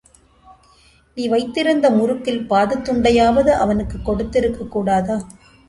நீ வைத்திருந்த முறுக்கில் பாதித் துண்டையாவது அவனுக்குக் கொடுத் திருக்கக்கூடாதா?